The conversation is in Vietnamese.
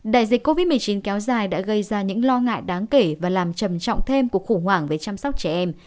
đại dịch covid một mươi chín kéo dài đã gây ra những lo ngại đáng kể và làm trầm trọng thêm của khủng hoảng về chăm sóc trẻ em